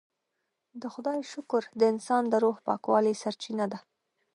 د خدای شکر د انسان د روح پاکوالي سرچینه ده.